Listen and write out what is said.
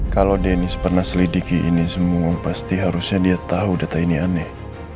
kalau deniz pernah selidiki ini semua pasti harusnya dia tahu data ini aneh